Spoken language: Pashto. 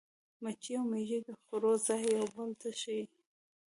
مچۍ او مېږي د خوړو ځای یو بل ته ښيي.